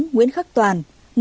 một mươi tám nguyễn khắc toàn